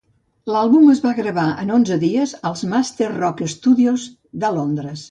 L'àlbum es va gravar en onze dies als Master Rock Studios de Londres.